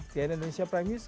sian indonesia prime news